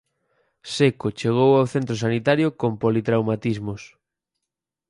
Seco chegou ao centro sanitario con politraumatismos.